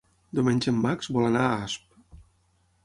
Diumenge en Max vol anar a Asp.